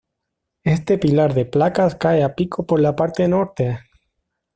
Este pilar de placas cae a pico por la parte norte.